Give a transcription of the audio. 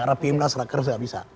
rapi munas raker tidak bisa